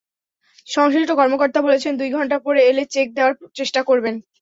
সংশ্লিষ্ট কর্মকর্তা বলেছেন, দুই ঘণ্টা পরে এলে চেক দেওয়ার চেষ্টা করবেন।